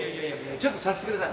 ちょっとさせて下さい。